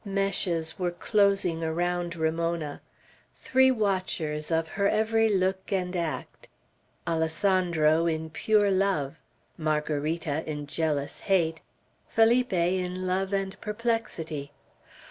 Meshes were closing around Ramona. Three watchers of her every look and act, Alessandro in pure love, Margarita in jealous hate, Felipe in love and perplexity.